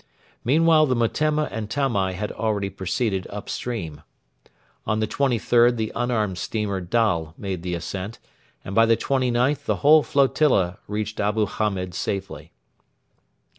Meanwhile the Metemma and Tamai had already proceeded up stream. On the 23rd the unarmed steamer Dal made the ascent, and by the 29th the whole flotilla reached Abu Hamed safely.